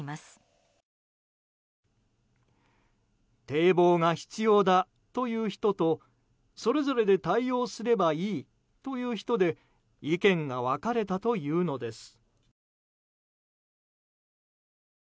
堤防が必要だという人とそれぞれで対応すればいいという人で意見が分かれたというのです。